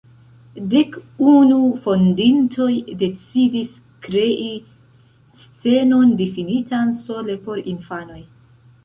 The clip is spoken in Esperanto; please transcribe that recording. Dek unu fondintoj decidis krei scenon difinitan sole por infanoj.